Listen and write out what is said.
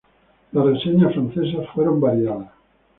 Las reseñas francesas fueron variadas.